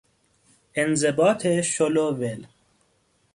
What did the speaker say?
انضباط شل و ول